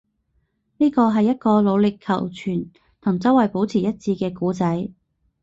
呢個係一個努力求存，同周圍保持一致嘅故仔